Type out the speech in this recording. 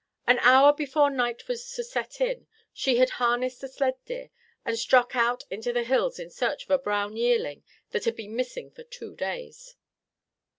An hour before night was to set in, she had harnessed a sled deer and struck out into the hills in search of a brown yearling that had been missing for two days.